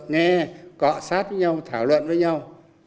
nghe cọ sát với nhau thảo luận với nhau